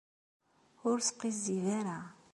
Ur as-sqizzib ara.